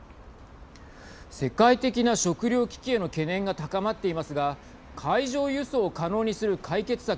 世界的な食糧危機への懸念が高まっていますが海上輸送を可能にする解決策